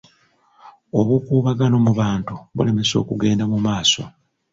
Obukuubagano mu bantu bulemesa okugenda mu maaso.